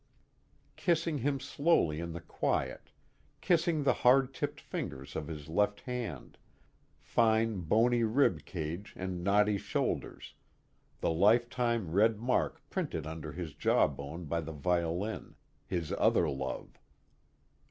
Kissing him slowly in the quiet, kissing the hard tipped fingers of his left hand, fine bony rib cage and knotty shoulders, the lifetime red mark printed under his jawbone by the violin, his other love.